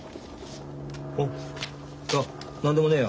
おっいや何でもねえよ。